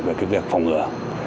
về cái việc phòng ngựa